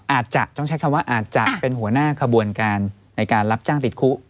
อาจจะต้องใช้คำว่าอาจจะเป็นหัวหน้าขบวนการในการรับจ้างติดคุก